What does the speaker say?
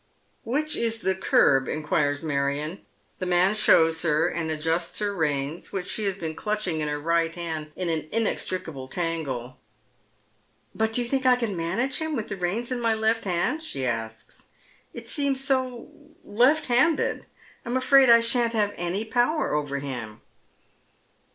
■' Which is the curb ?" inquires Marion. The man shows her, and adjusts her reins, which she has been rhitrhing in her pgiit hand in an inextricable tangle. " But do you think I can manage him with the reins in my left hand ?" she asks. " It seems so left handed, I'm afraid I shan't have any power over him."